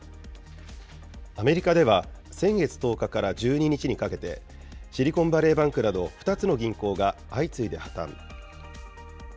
アメリカでは先月１０日から１２日にかけて、シリコンバレーバンクなど２つの銀行が相次いで破綻。